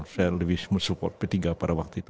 saya lebih mensupport p tiga pada waktu itu